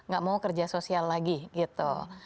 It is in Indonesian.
gak mau kerja sosial lagi gitu